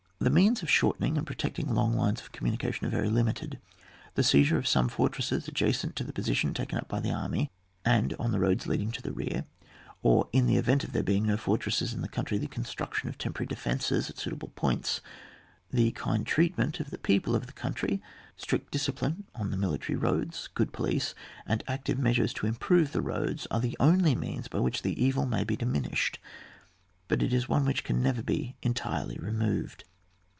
The means of shortening and protect ing long lines of communication are very limited. The seizure of some fortresses adjacent to the position taken up by tho army, and on die roads leading to the rear — or in the event of there being no fortresses in the country, the construc tion of temporary defences at suitable points — the kind treatment of the people of the country, strict discipline on the military roads, good police, and active measures to improve the roads, are the only means by which the evil may be diminished, but it is one which can never be entirely removed.